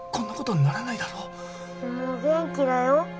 もう元気だよ。